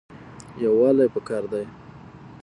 یووالی پکار دی